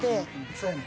そやねん。